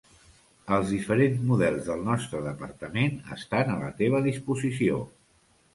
Els diferents models del nostre Departament estan a la teva disposició.